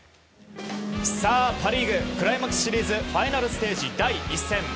さあ、パ・リーグクライマックスシリーズファイナルステージ第１戦。